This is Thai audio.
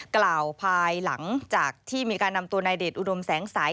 กล่าวภายหลังจากที่มีการนำตัวนายเดชอุดมแสงสัย